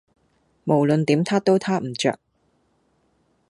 無論點撻都撻唔着